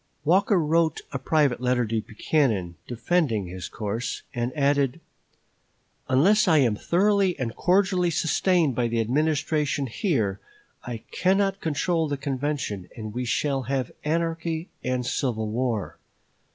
Walker wrote a private letter to Buchanan, defending his course, and adding: "Unless I am thoroughly and cordially sustained by the Administration here, I cannot control the convention, and we shall have anarchy and civil war.